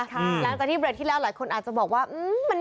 หลังจากที่เบรกที่แล้วหลายคนอาจจะบอกว่า